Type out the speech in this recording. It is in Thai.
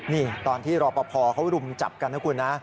นี่ตอนที่รอปภเขารุมจับกันนะคุณนะ